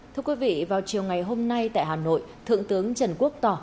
thưa quý vị vào chiều ngày hôm nay tại hà nội thượng tướng trần quốc tỏ